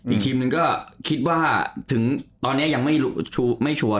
อีกทีมหนึ่งก็คิดว่าถึงตอนนี้ยังไม่ชัวร์